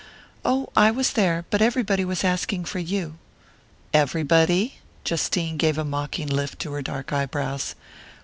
"Oh, I was there but everybody was asking for you " "Everybody?" Justine gave a mocking lift to her dark eyebrows.